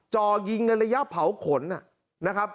จ่อยิงในระยะเผาขนนะครับ